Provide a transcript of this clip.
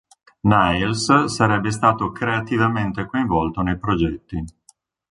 Niles sarebbe stato creativamente coinvolto nei progetti.